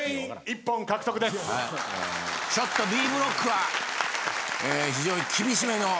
ちょっとＢブロックは非常に厳しめの。